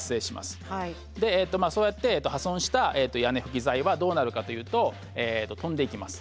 でそうやって破損した屋根ふき材はどうなるかというと飛んでいきます。